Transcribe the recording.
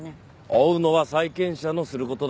追うのは債権者のする事だ。